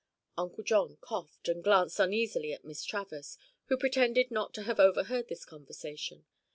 Uncle John coughed and glanced uneasily at Miss Travers, who pretended not to have overheard this conversation.